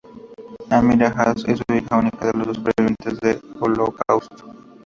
Amira Hass es hija única de dos supervivientes del Holocausto.